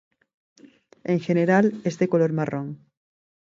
En general, es de color marrón.